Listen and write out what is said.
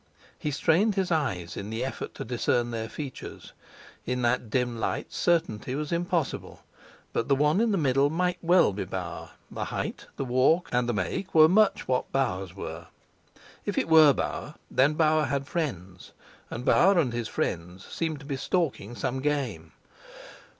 He strained his eyes in the effort to discern their features. In that dim light certainty was impossible, but the one in the middle might well be Bauer: the height, the walk, and the make were much what Bauer's were. If it were Bauer, then Bauer had friends, and Bauer and his friends seemed to be stalking some game.